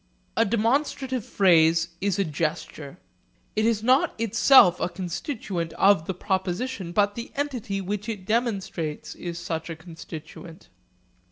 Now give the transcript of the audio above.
A demonstrative phrase is a gesture. It is not itself a constituent of the proposition, but the entity which it demonstrates is such a constituent.